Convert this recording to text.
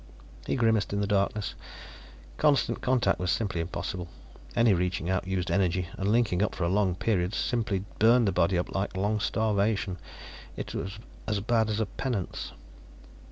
He grimaced in the darkness. Constant contact was simply impossible; any reaching out used energy, and linking up for a long period simply burned the body up like a long starvation; it was as bad as a penance.